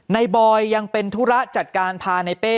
บอยยังเป็นธุระจัดการพาในเป้